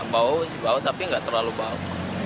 bau sih bau tapi tidak terlalu bau